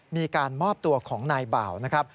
มีการมอบตัวของนายบ่าวนะครับ